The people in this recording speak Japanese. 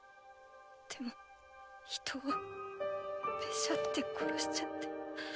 でも人をペシャって殺しちゃって。